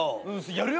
やるよ